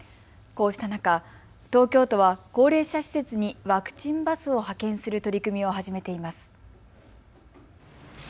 こうした中東京都は高齢者施設にワクチンバスを派遣する取り組みを始めています。